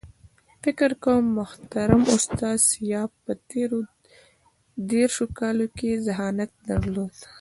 فکر کوم محترم استاد سیاف په تېرو دېرشو کالو کې ذهانت درلود.